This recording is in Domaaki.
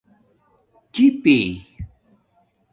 چپَی